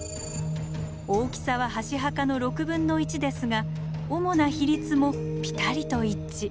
大きさは箸墓の６分の１ですが主な比率もぴたりと一致。